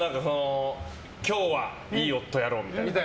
今日はいい夫やろうみたいな。